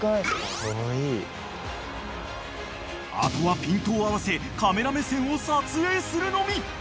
［あとはピントを合わせカメラ目線を撮影するのみ］